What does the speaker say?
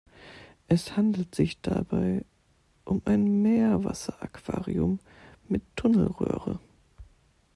Es handelt sich dabei um ein Meerwasseraquarium mit Tunnelröhre.